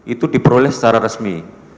itu diperoleh secara resmi